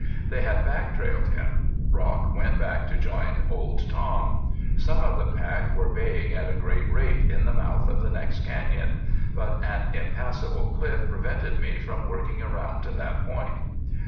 They had back trailed him. Rock went back to join Old Tom. Some of the pack were baying at a great rate in the mouth of the next canyon. But an impassable cliff prevented me from working around to that point.